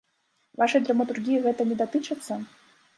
Вашай драматургіі гэта не датычыцца?